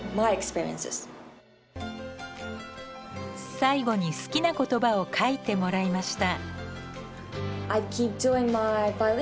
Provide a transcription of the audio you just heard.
最後に好きな言葉を書いてもらいました。